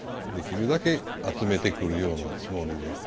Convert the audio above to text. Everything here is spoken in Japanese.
できるだけ集めてくるようなつもりで。